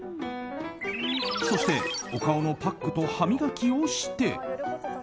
そしてお顔のパックと歯磨きをして。